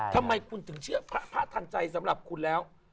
ทำไมคุณถึงเชื่อพระทันใจสำหรับคุณแล้ว